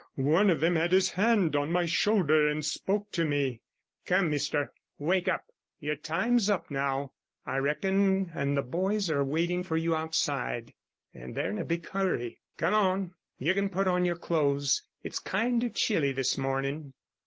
One of them had his hand on my shoulder, and spoke to me 'Come, mister, wake up. Your time's up now, I reckon, and the boys are waiting for you outside, and they're in a big hurry. Come on; you can put on your clothes; it's kind of chilly this morning.'